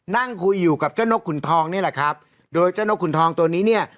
นั่งคุยอยู่กับเจ้านกขุนทองนี่แหละครับโดยเจ้านกขุนทองตัวนี้เนี่ย